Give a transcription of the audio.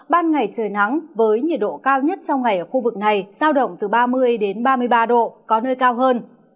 ban ngày trời nắng với nhiệt độ cao nhất trong ngày ở khu vực này giao động từ ba mươi ba mươi ba độ có nơi cao hơn